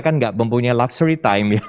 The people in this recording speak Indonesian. kan tidak mempunyai luxury time ya